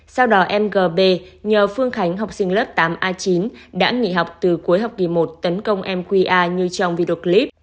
sau đó mgb nhờ phương khánh học sinh lớp tám a chín đã nghỉ học từ cuối học kỳ một tấn công mqa như trong video clip